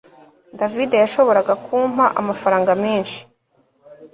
David yashoboraga kumpa amafaranga menshi